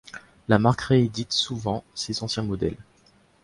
La marque réédite souvent ses anciens modèles.